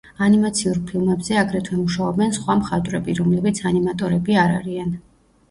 ანიმაციურ ფილმებზე აგრეთვე მუშაობენ სხვა მხატვრები, რომლებიც ანიმატორები არ არიან.